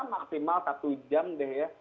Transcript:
maksimal satu jam deh ya